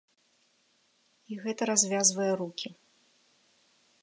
І гэта развязвае рукі.